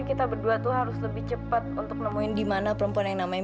gimana aku bisa nebus vino kalau dia gak dateng dateng